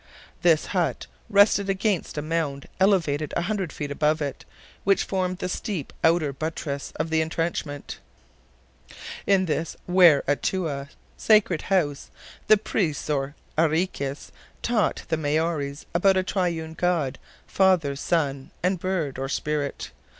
This hut rested against a mound elevated a hundred feet above it, which formed the steep outer buttress of the entrenchment. In this "Ware Atoua," sacred house, the priests or arikis taught the Maories about a Triune God, father, son, and bird, or spirit.